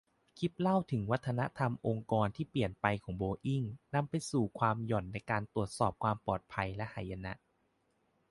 คลิปเล่าถึงวัฒนธรรมองค์กรที่เปลี่ยนไปของโบอิ้ง นำไปสู่ความหย่อนในการตรวจสอบความปลอดภัย และหายนะ